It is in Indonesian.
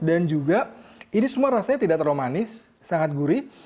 dan juga ini semua rasanya tidak terlalu manis sangat gurih